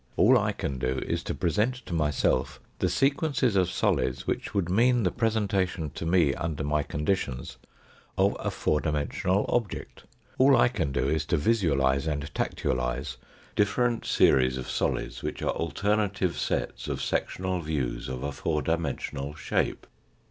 All I can do is to present to myself the sequences of solids, which would mean the presentation to me under my con ditions of a four dimensional object. All I can do is to visualise and tactualise different series of solids which are alternative sets of sectional views of a four dimensional shape.